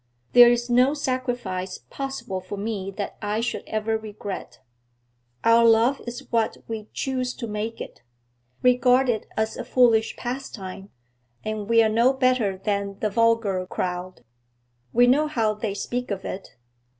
There is no sacrifice possible for me that I should ever regret. Our love is what we choose to make it. Regard it as a foolish pastime, and we are no better than the vulgar crowd we know how they speak of it.